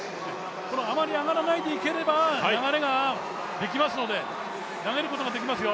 あまり上がらないでいければ流れができますので、投げることができますよ。